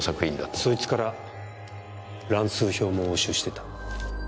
そいつから乱数表も押収してた。